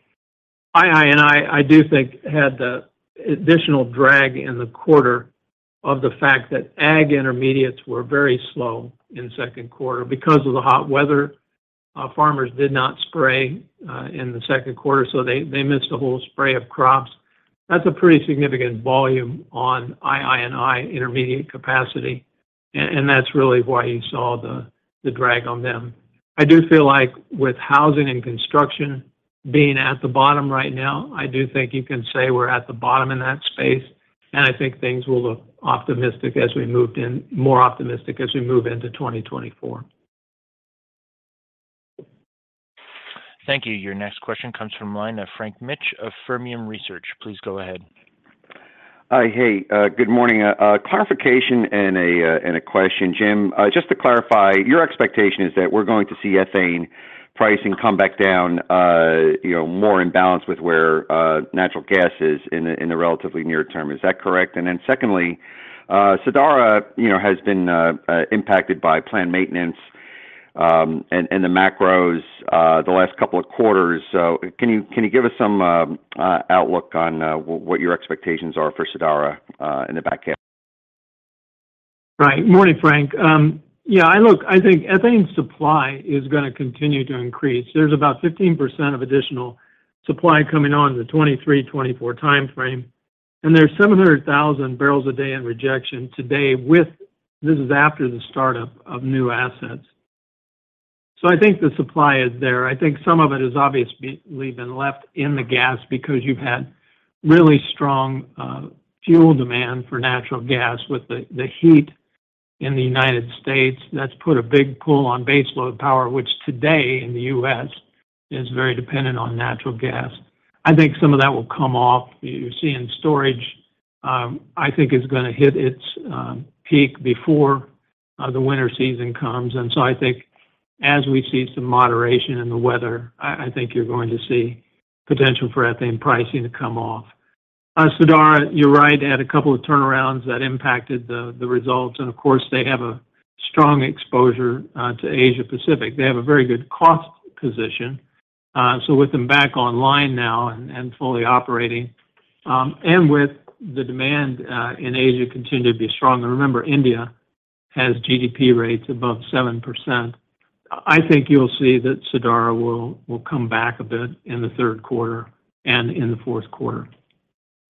I do think had the additional drag in the quarter of the fact that ag intermediates were very slow in the second quarter because of the hot weather. Our farmers did not spray in the second quarter, so they missed a whole spray of crops. That's a pretty significant volume on II&I intermediate capacity, and that's really why you saw the drag on them. I do feel like with housing and construction being at the bottom right now, I do think you can say we're at the bottom in that space. I think things will look more optimistic as we move into 2024. Thank you. Your next question comes from line of Frank Mitsch of Fermium Research. Please go ahead. Hi. Hey, good morning. A clarification and a and a question. Jim, just to clarify, your expectation is that we're going to see ethane pricing come back down, you know, more in balance with where natural gas is in the in the relatively near term. Is that correct? Secondly, Sadara, you know, has been impacted by planned maintenance and and the macros the last couple of quarters. Can you give us some outlook on what your expectations are for Sadara in the back half? Morning, Frank. Yeah, I look, I think ethane supply is gonna continue to increase. There's about 15% of additional supply coming on in the 2023, 2024 time frame, and there's 700,000 barrels a day in rejection today. This is after the startup of new assets. I think the supply is there. I think some of it is obviously been left in the gas because you've had really strong fuel demand for natural gas with the heat in the United States. That's put a big pull on baseload power, which today in the U.S., is very dependent on natural gas. I think some of that will come off. You see in storage, I think is gonna hit its peak before the winter season comes. I think as we see some moderation in the weather, I think you're going to see potential for ethane pricing to come off. Sadara, you're right, they had a couple of turnarounds that impacted the results, and of course, they have a strong exposure to Asia Pacific. They have a very good cost position. With them back online now and fully operating, and with the demand in Asia continue to be strong, and remember, India has GDP rates above 7%. I think you'll see that Sadara will come back a bit in the third quarter and in the fourth quarter.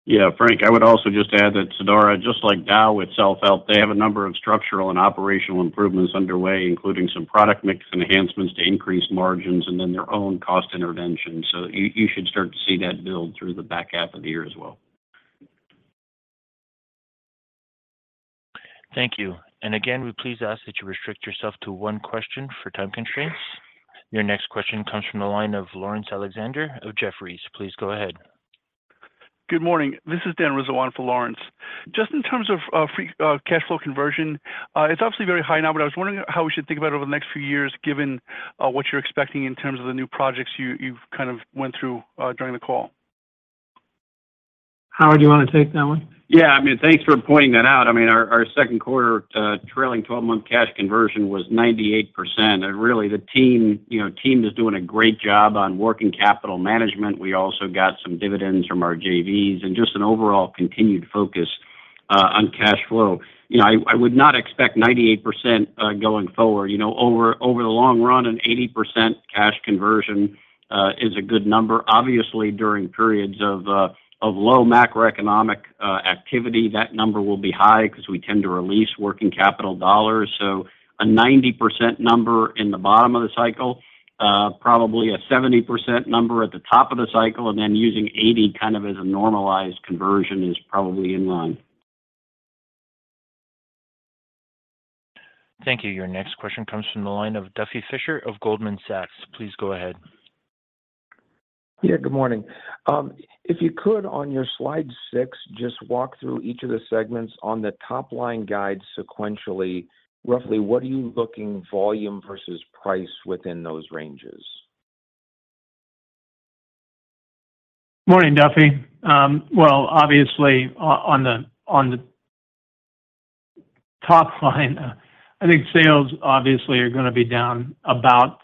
Yeah, Frank, I would also just add that Sadara, just like Dow itself, they have a number of structural and operational improvements underway, including some product mix enhancements to increase margins and then their own cost intervention. You should start to see that build through the back half of the year as well. Thank you. Again, we please ask that you restrict yourself to one question for time constraints. Your next question comes from the line of Laurence Alexander of Jefferies. Please go ahead. Good morning. This is Dan Rizwan for Laurence. Just in terms of free cash flow conversion, it's obviously very high now, but I was wondering how we should think about it over the next few years, given what you're expecting in terms of the new projects you've kind of went through during the call. Howard, do you want to take that one? I mean, thanks for pointing that out. I mean, our second quarter trailing 12-month cash conversion was 98%. The team, you know, team is doing a great job on working capital management. We also got some dividends from our JVs and just an overall continued focus on cash flow. You know, I would not expect 98% going forward. You know, over the long run, an 80% cash conversion is a good number. Obviously, during periods of low macroeconomic activity, that number will be high because we tend to release working capital dollars. A 90% number in the bottom of the cycle, probably a 70% number at the top of the cycle, and then using 80 kind of as a normalized conversion is probably in line. Thank you. Your next question comes from the line of Duffy Fischer of Goldman Sachs. Please go ahead. Good morning. If you could, on your slide 6, just walk through each of the segments on the top line guide sequentially, roughly, what are you looking volume versus price within those ranges? Morning, Duffy. Well, obviously, on the top line, I think sales obviously are gonna be down about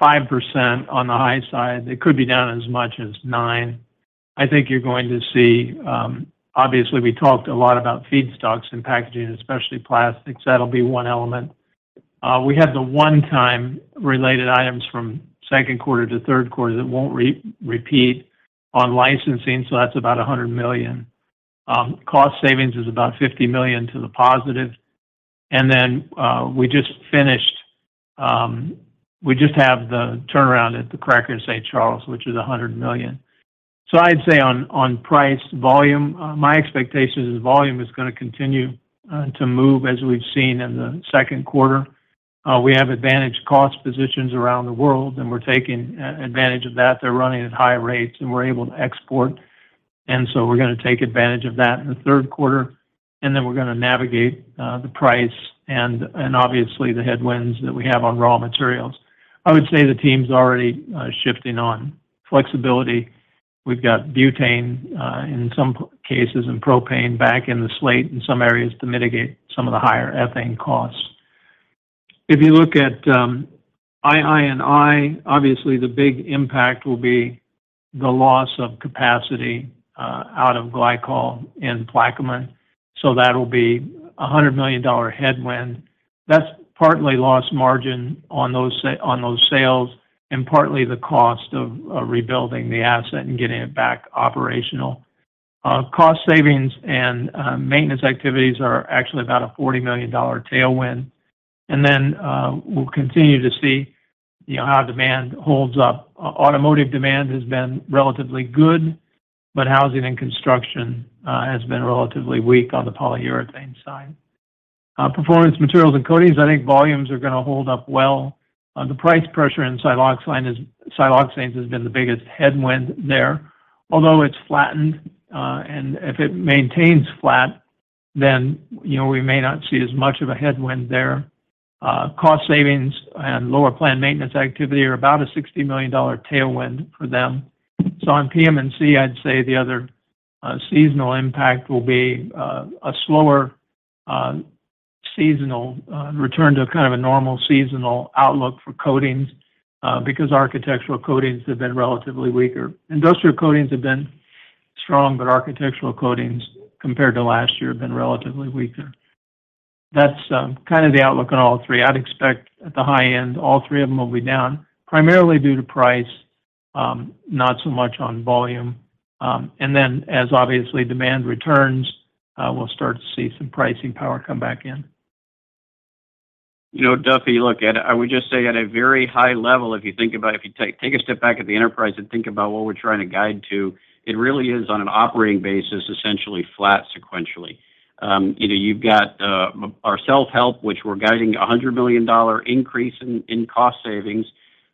5% on the high side. They could be down as much as 9%. I think you're going to see, Obviously, we talked a lot about feedstocks and Packaging & Specialty Plastics. That'll be one element. We had the one-time related items from second quarter to third quarter that won't repeat on licensing, so that's about $100 million. Cost savings is about $50 million to the positive. We just finished, we just have the turnaround at the cracker in St. Charles, which is $100 million. I'd say on price, volume, my expectation is volume is gonna continue to move as we've seen in the second quarter. We have advantage cost positions around the world, and we're taking advantage of that. They're running at high rates, and we're able to export, we're gonna take advantage of that in the third quarter, and then we're gonna navigate the price and obviously, the headwinds that we have on raw materials. I would say the team's already shifting on flexibility. We've got butane in some cases, and propane back in the slate in some areas to mitigate some of the higher ethane costs. If you look at II&I, obviously, the big impact will be the loss of capacity out of glycol in Plaquemine, so that'll be a $100 million headwind. That's partly lost margin on those sales and partly the cost of rebuilding the asset and getting it back operational. Cost savings and maintenance activities are actually about a $40 million tailwind. We'll continue to see, you know, how demand holds up. Automotive demand has been relatively good, housing and construction has been relatively weak on the polyurethane side. Performance Materials & Coatings, I think volumes are gonna hold up well. The price pressure in siloxanes has been the biggest headwind there, although it's flattened, and if it maintains flat, then, you know, we may not see as much of a headwind there. Cost savings and lower planned maintenance activity are about a $60 million tailwind for them. On PM&C, I'd say the other seasonal impact will be a slower seasonal return to a kind of a normal seasonal outlook for coatings because architectural coatings have been relatively weaker. Industrial coatings have been strong, but architectural coatings, compared to last year, have been relatively weaker. That's kind of the outlook on all three. I'd expect at the high end, all three of them will be down, primarily due to price, not so much on volume. As obviously demand returns, we'll start to see some pricing power come back in. You know, Duffy, look, I would just say at a very high level, if you think about it, if you take a step back at the enterprise and think about what we're trying to guide to, it really is on an operating basis, essentially flat sequentially. You know, you've got our self-help, which we're guiding a $100 million increase in cost savings.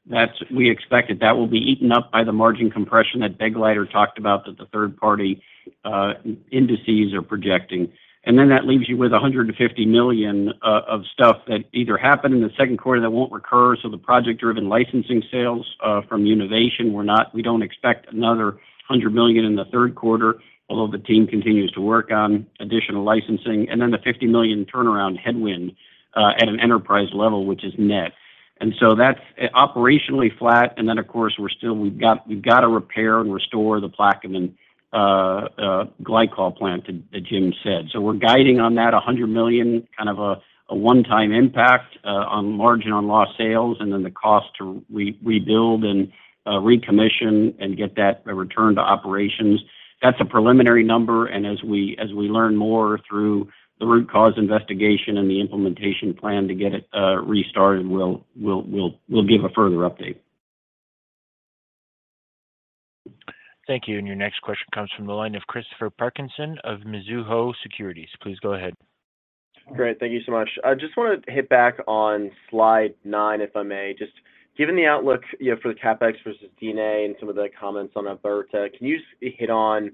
That's we expected. That will be eaten up by the margin compression that Begleiter talked about, that the third-party indices are projecting. That leaves you with $150 million of stuff that either happened in the second quarter that won't recur, so the project-driven licensing sales from Univation, we don't expect another $100 million in the third quarter, although the team continues to work on additional licensing. The $50 million turnaround headwind at an enterprise level, which is net. That's operationally flat, and then, of course, we've got to repair and restore the Plaquemine glycol plant that Jim said. We're guiding on that $100 million, kind of a one-time impact on margin on lost sales. The cost to rebuild and recommission and get that return to operations. That's a preliminary number. As we learn more through the root cause investigation and the implementation plan to get it restarted, we'll give a further update. Thank you. Your next question comes from the line of Christopher Parkinson of Mizuho Securities. Please go ahead. Great. Thank you so much. I just wanted to hit back on slide 9, if I may. Just given the outlook, you know, for the CapEx versus D&A and some of the comments on Alberta, can you just hit on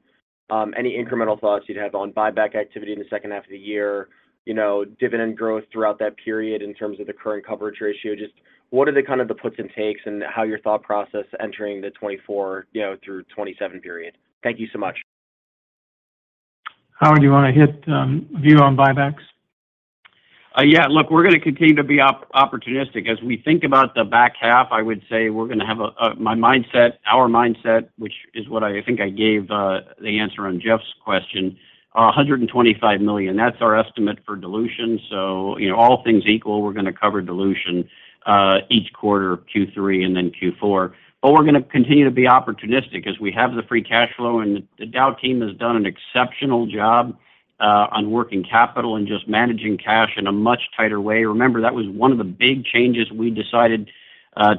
any incremental thoughts you'd have on buyback activity in the second half of the year, you know, dividend growth throughout that period in terms of the current coverage ratio? Just what are the kind of the puts and takes and how your thought process entering the 2024, you know, through 2027 period? Thank you so much. Howard, do you want to hit view on buybacks? Yeah. Look, we're gonna continue to be opportunistic. As we think about the back half, I would say we're gonna have a, my mindset, our mindset, which is what I think I gave the answer on Jeff's question, $125 million. That's our estimate for dilution. You know, all things equal, we're gonna cover dilution each quarter, Q3 and then Q4. We're gonna continue to be opportunistic as we have the free cash flow, and the Dow team has done an exceptional job on working capital and just managing cash in a much tighter way. Remember, that was one of the big changes we decided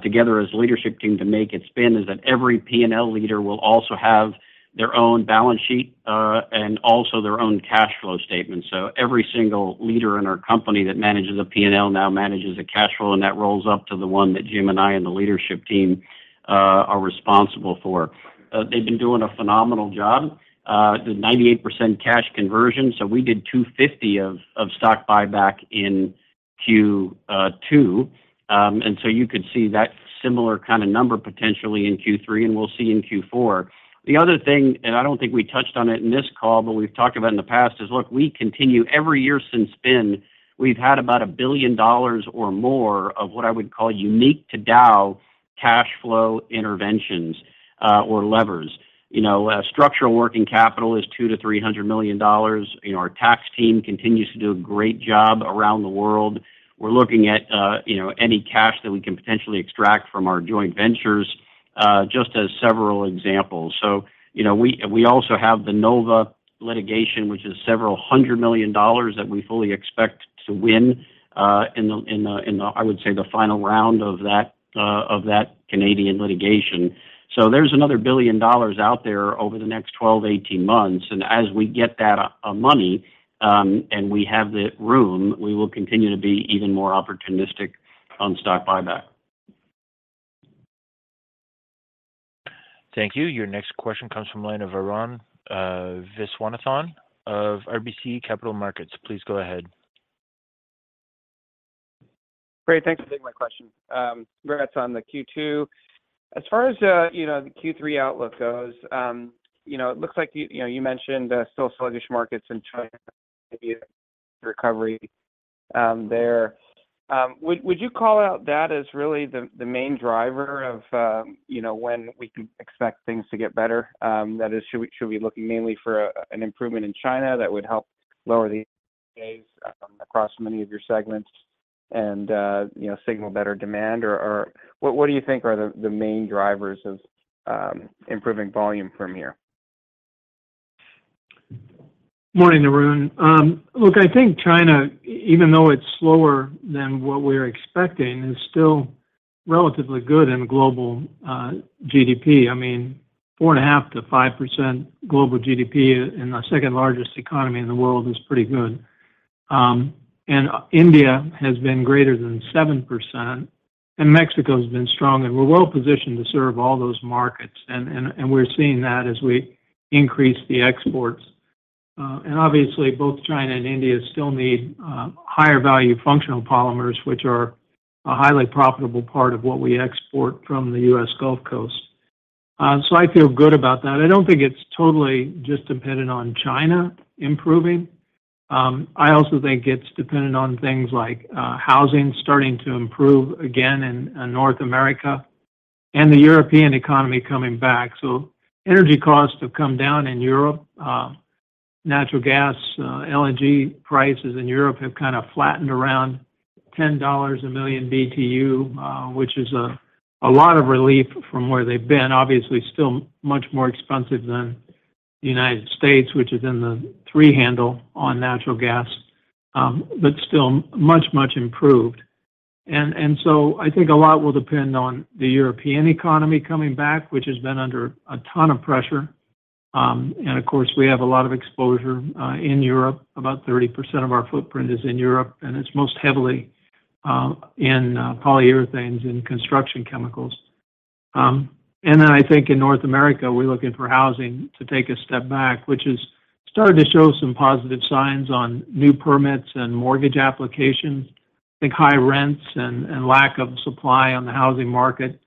together as a leadership team to make it spin, is that every P&L leader will also have their own balance sheet and also their own cash flow statement. Every single leader in our company that manages a P&L now manages a cash flow, and that rolls up to the one that Jim and I and the leadership team are responsible for. They've been doing a phenomenal job, the 98% cash conversion, so we did $250 million of stock buyback in Q2. You could see that similar kind of number potentially in Q3, and we'll see in Q4. The other thing, I don't think we touched on it in this call, but we've talked about in the past, is, look, every year since spin, we've had about $1 billion or more of what I would call unique to Dow cash flow interventions or levers. You know, structural working capital is $200 million-$300 million. You know, our tax team continues to do a great job around the world. We're looking at, you know, any cash that we can potentially extract from our joint ventures, just as several examples. You know, we also have the NOVA litigation, which is several hundred million dollars that we fully expect to win, in the, I would say, the final round of that Canadian litigation. There's another $1 billion out there over the next 12 to 18 months, and as we get that money, and we have the room, we will continue to be even more opportunistic on stock buyback. Thank you. Your next question comes from line of Arun Viswanathan of RBC Capital Markets. Please go ahead. Great, thanks for taking my question. Congrats on the Q2. As far as, you know, the Q3 outlook goes, you know, it looks like you know, you mentioned still sluggish markets in China, maybe a recovery there. Would you call out that as really the main driver of, you know, when we could expect things to get better? That is, should we be looking mainly for an improvement in China that would help lower the days across many of your segments and, you know, signal better demand? What do you think are the main drivers of improving volume from here? Morning, Arun. Look, I think China, even though it's slower than what we're expecting, is still relatively good in global GDP. I mean, 4.5%-5% global GDP in the second largest economy in the world is pretty good. India has been greater than 7%, and Mexico's been strong, and we're well positioned to serve all those markets, and we're seeing that as we increase the exports. Obviously, both China and India still need higher value functional polymers, which are a highly profitable part of what we export from the U.S. Gulf Coast. I feel good about that. I don't think it's totally just dependent on China improving. I also think it's dependent on things like housing starting to improve again in North America and the European economy coming back. Energy costs have come down in Europe. Natural gas, LNG prices in Europe have kind of flattened around $10 a million BTU, which is a lot of relief from where they've been. Obviously, still much more expensive than the United States, which is in the three handle on natural gas, but still much, much improved. I think a lot will depend on the European economy coming back, which has been under a ton of pressure. We have a lot of exposure in Europe. About 30% of our footprint is in Europe, and it's most heavily in Polyurethanes & Construction Chemicals. I think in North America, we're looking for housing to take a step back, which has started to show some positive signs on new permits and mortgage applications. I think high rents and lack of supply on the housing market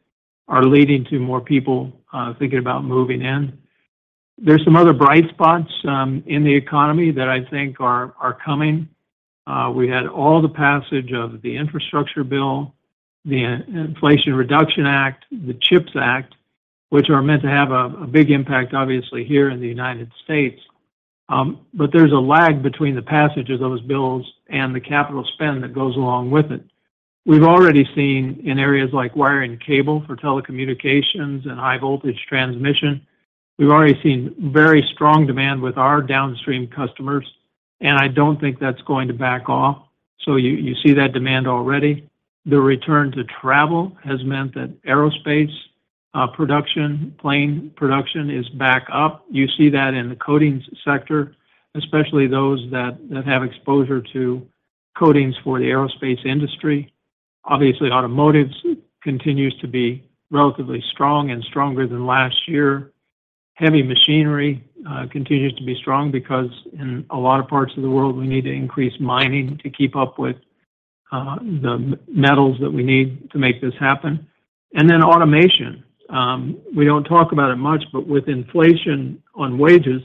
are leading to more people thinking about moving in. There's some other bright spots in the economy that I think are coming. We had all the passage of the infrastructure bill, the Inflation Reduction Act, the CHIPS Act, which are meant to have a big impact, obviously, here in the United States. There's a lag between the passage of those bills and the capital spend that goes along with it. We've already seen in areas like wiring cable for telecommunications and high voltage transmission, we've already seen very strong demand with our downstream customers, and I don't think that's going to back off. You see that demand already. The return to travel has meant that aerospace production, plane production is back up. You see that in the coatings sector, especially those that have exposure to coatings for the aerospace industry. Obviously, automotives continues to be relatively strong and stronger than last year. Heavy machinery continues to be strong because in a lot of parts of the world, we need to increase mining to keep up with the metals that we need to make this happen. Automation. We don't talk about it much, but with inflation on wages,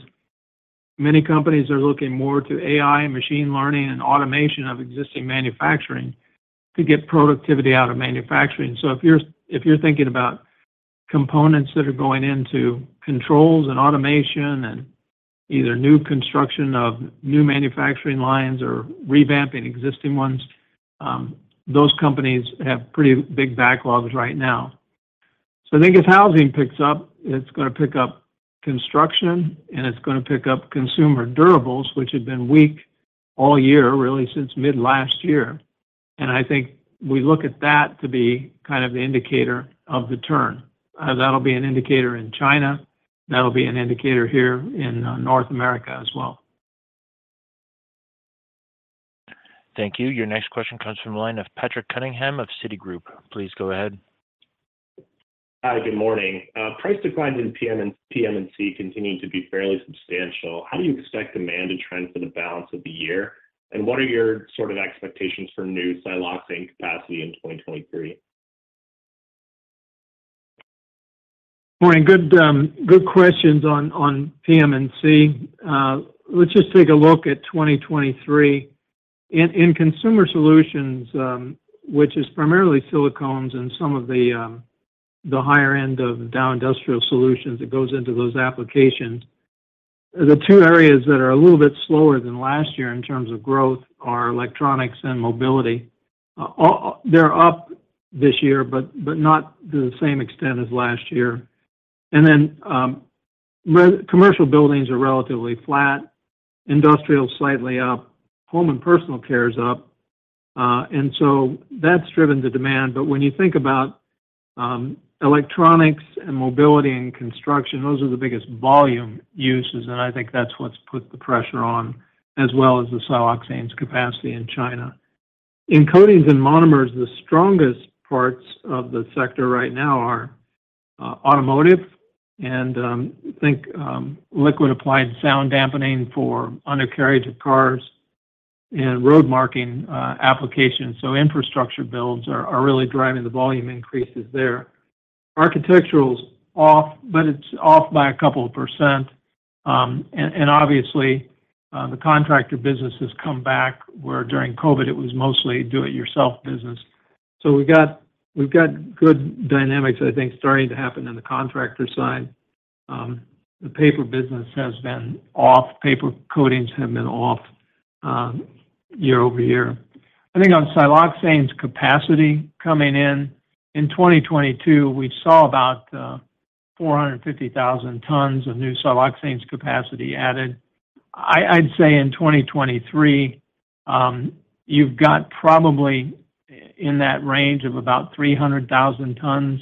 many companies are looking more to AI, machine learning, and automation of existing manufacturing to get productivity out of manufacturing. So if you're thinking about components that are going into controls and automation and either new construction of new manufacturing lines or revamping existing ones, those companies have pretty big backlogs right now. I think as housing picks up, it's gonna pick up construction, and it's gonna pick up consumer durables, which had been weak all year, really since mid last year. I think we look at that to be kind of the indicator of the turn. That'll be an indicator in China, that'll be an indicator here in North America as well. Thank you. Your next question comes from the line of Patrick Cunningham of Citigroup. Please go ahead. Hi, good morning. Price declines in PM&C continue to be fairly substantial. How do you expect demand to trend for the balance of the year? What are your sort of expectations for new siloxane capacity in 2023? Morning. Good questions on PM&C. Let's just take a look at 2023. In consumer solutions, which is primarily silicones and some of the higher end of Dow Industrial Solutions that goes into those applications, the two areas that are a little bit slower than last year in terms of growth are electronics and mobility. They're up this year, but not to the same extent as last year. Commercial buildings are relatively flat, industrial, slightly up, home and personal care is up, and so that's driven the demand. When you think about electronics and mobility and construction, those are the biggest volume uses, and I think that's what's put the pressure on, as well as the siloxanes capacity in China. In coatings and monomers, the strongest parts of the sector right now are automotive and I think liquid applied sound dampening for undercarriage of cars and road marking applications. Infrastructure builds are really driving the volume increases there. Architectural's off, but it's off by a couple of percent. Obviously, the contractor business has come back, where during COVID, it was mostly do it yourself business. We've got good dynamics, I think, starting to happen in the contractor side. The paper business has been off, paper coatings have been off, year-over-year. I think on siloxanes capacity coming in 2022, we saw about 450,000 tons of new siloxanes capacity added. I'd say in 2023, you've got probably in that range of about 300,000 tons,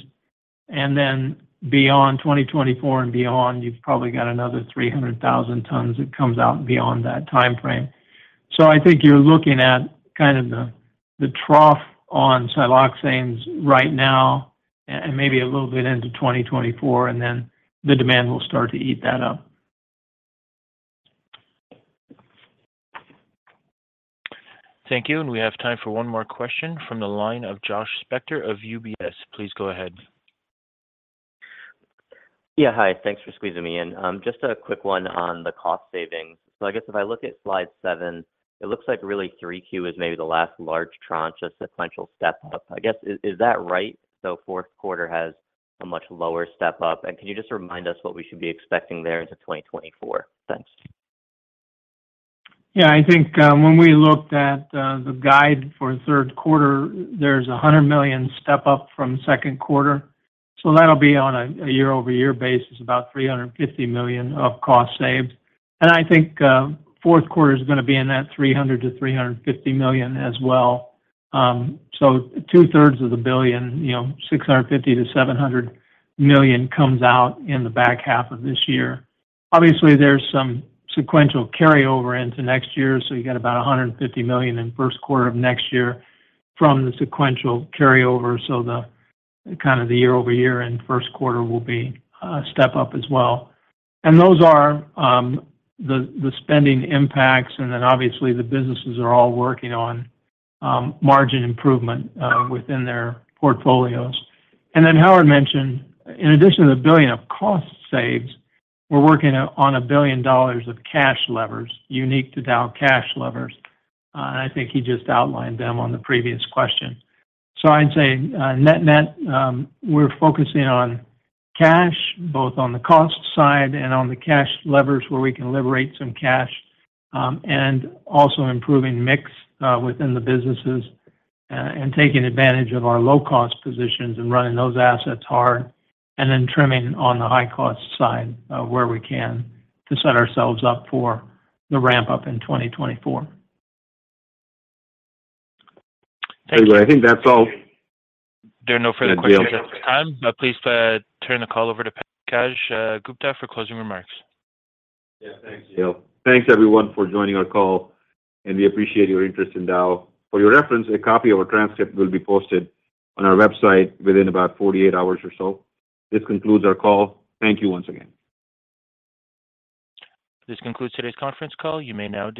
and then beyond 2024 and beyond, you've probably got another 300,000 tons that comes out beyond that time frame. I think you're looking at kind of the trough on siloxanes right now and maybe a little bit into 2024, and then the demand will start to eat that up. Thank you. We have time for one more question from the line of Josh Spector of UBS. Please go ahead. Yeah, hi. Thanks for squeezing me in. Just a quick one on the cost savings. I guess if I look at slide 7, it looks like really 3Q is maybe the last large tranche, a sequential step up. I guess, is that right? 4Q has a much lower step up, and can you just remind us what we should be expecting there into 2024? Thanks. Yeah, I think, when we looked at, the guide for the third quarter, there's a $100 million step up from second quarter, so that'll be on a year-over-year basis, about $350 million of cost saved. I think, fourth quarter is gonna be in that $300 million-$350 million as well. 2/3 of the $1 billion, you know, $650 million-$700 million comes out in the back half of this year. Obviously, there's some sequential carryover into next year, so you got about $150 million in first quarter of next year from the sequential carryover. The kind of the year-over-year and first quarter will be, a step up as well. Those are the spending impacts, and then obviously the businesses are all working on margin improvement within their portfolios. Howard mentioned, in addition to the $1 billion of cost saves, we're working on $1 billion of cash levers, unique to Dow cash levers. I think he just outlined them on the previous question. I'd say net-net, we're focusing on cash, both on the cost side and on the cash levers, where we can liberate some cash, and also improving mix within the businesses, and taking advantage of our low-cost positions and running those assets hard, and then trimming on the high cost side where we can to set ourselves up for the ramp-up in 2024. Thank you. I think that's all. There are no further questions at this time. Please turn the call over to Pankaj Gupta for closing remarks. Yeah, thanks, Neil. Thanks everyone for joining our call, and we appreciate your interest in Dow. For your reference, a copy of our transcript will be posted on our website within about 48 hours or so. This concludes our call. Thank you once again. This concludes today's conference call. You may now disconnect.